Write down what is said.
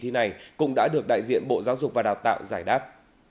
thi này cũng đã được đại diện bộ giáo dục và đào tạo giải đáp